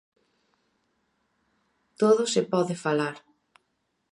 Todo se pode falar.